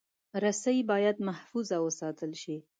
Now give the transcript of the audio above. رسۍ باید محفوظ وساتل شي.